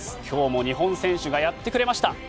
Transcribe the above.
今日も日本選手がやってくれました。